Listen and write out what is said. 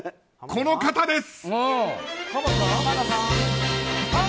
この方です。